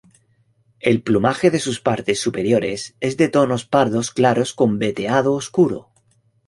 El plumaje de sus partes superiores es de tonos pardos claros con veteado oscuro.